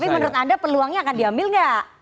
tapi menurut anda peluangnya akan diambil nggak